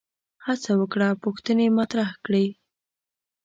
هڅه وکړه پوښتنې مطرح کړي